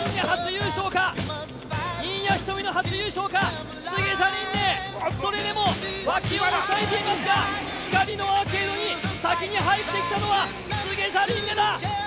菅田琳寧、初優勝か新谷仁美の初優勝か、菅田琳寧、それでも脇を押さえていますが光のアーケードに先に入ってきたのは菅田琳寧だ。